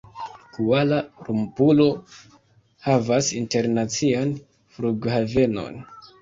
Kuala-Lumpuro havas internacian flughavenon.